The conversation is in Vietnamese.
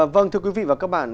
vâng thưa quý vị và các bạn